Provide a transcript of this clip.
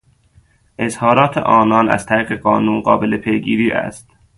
اظهارات آنان از طریق قانون قابل پیگیری است.